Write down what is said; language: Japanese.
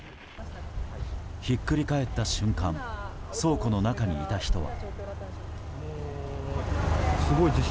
ひっくり返った瞬間倉庫の中にいた人は。